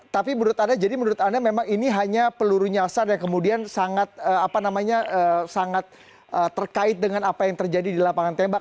tapi menurut anda jadi menurut anda memang ini hanya peluru nyasar yang kemudian sangat terkait dengan apa yang terjadi di lapangan tembak